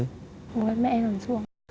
bố mẹ em làm ruộng